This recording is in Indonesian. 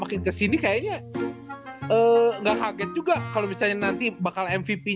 makin kesini kayaknya gak kaget juga kalau misalnya nanti bakal mvp